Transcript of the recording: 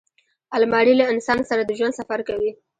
الماري له انسان سره د ژوند سفر کوي